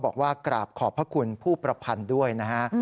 บอกว่ากราบขอบพระคุณผู้ประพันธ์ด้วยนะฮะ